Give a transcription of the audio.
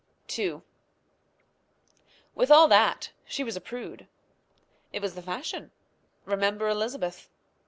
II. With all that she was a prude. It was the fashion. Remember Elizabeth.